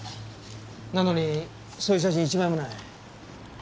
なのにそういう写真は１枚もない。